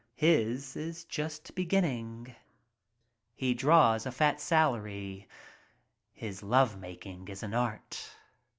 His is just beginning. "He draws a fat salary. His love making is an art.